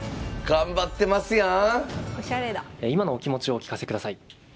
今のお気持ちをお聞かせください。